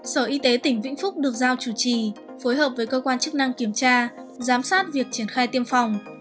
sở y tế tỉnh vĩnh phúc được giao chủ trì phối hợp với cơ quan chức năng kiểm tra giám sát việc triển khai tiêm phòng